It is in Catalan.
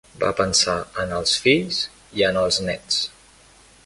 Va pensar en en els fills i en els nets.